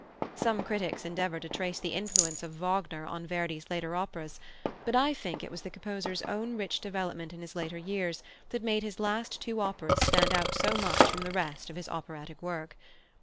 Some critics endeavour to trace the influence of Wagner on Verdi's later operas, but I think it was the composer's own rich development in his later years that made his last two operas stand out so much from the rest of his operatic work.